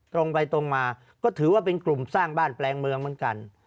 ตรงไปตรงมาก็ถือว่าเป็นกลุ่มสร้างบ้านแปลงเมืองเหมือนกัน